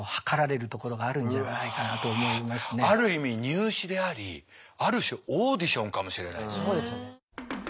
ある意味入試でありある種オーディションかもしれないですよ。